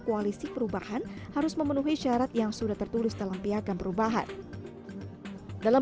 koalisi perubahan harus memenuhi syarat yang sudah tertulis dalam piagam perubahan dalam